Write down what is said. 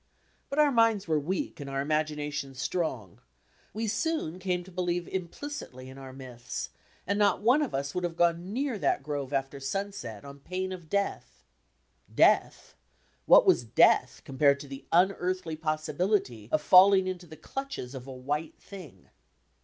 But our minds were weak and our imaginadons strong; we soon came to believe implicitly in our myths, and not one of us would have gone near that grove after sunset on pain of death. Death! What was death compared to the unearthly possibilty of falling into the clutches of a "white thing"?